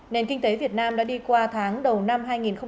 nền kinh tế việt nam đã đi qua tháng đầu năm hai nghìn một mươi bảy